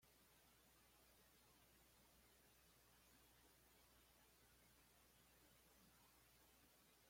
Un programa contiene, pues, siempre como mínimo una lista dentro de otra lista.